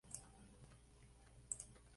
La actual secretaria es Elaine Chao.